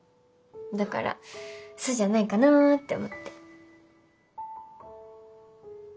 だからそうじゃないかなって思って。